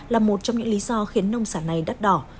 là một trong những lý do khiến nông sản này đắt đỏ